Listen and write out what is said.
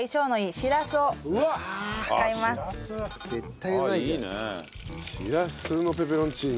シラスのペペロンチーノ